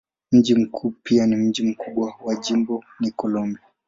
Mji mkuu pia mji mkubwa wa jimbo ni Columbia.